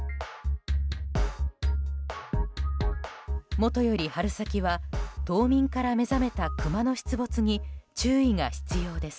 もとより春先は冬眠から目覚めたクマの出没に注意が必要です。